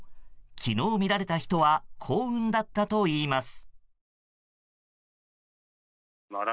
昨日見られた人は幸運だったといいます。